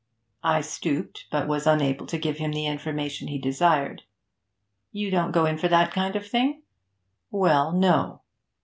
I stooped, but was unable to give him the information he desired. 'You don't go in for that kind of thing?' 'Well, no.'